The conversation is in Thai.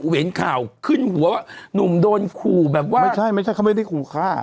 เห็นข่าวขึ้นหัวว่าหนุ่มโดนขู่แบบว่าไม่ใช่ไม่ใช่เขาไม่ได้ขู่ฆ่า